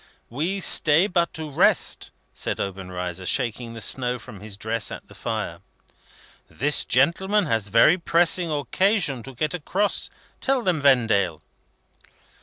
"We stay but to rest," said Obenreizer, shaking the snow from his dress at the fire. "This gentleman has very pressing occasion to get across; tell them, Vendale."